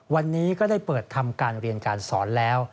วันนี้ก็ได้เปิดทำการเรียนการสอนแล้ว